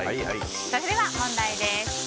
それでは問題です。